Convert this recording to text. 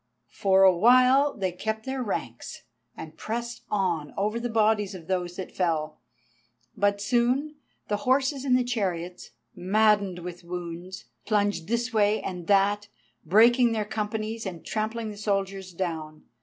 For awhile they kept their ranks, and pressed on over the bodies of those that fell. But soon the horses in the chariots, maddened with wounds, plunged this way and that, breaking their companies and trampling the soldiers down.